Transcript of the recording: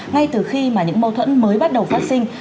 ngay từ khi mà những mâu thuẫn mới bắt đầu phát sinh